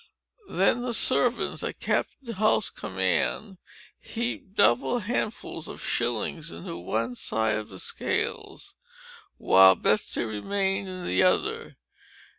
Then the servants, at Captain Hull's command, heaped double handfulls of shillings into one side of the scales, while Betsey remained in the other.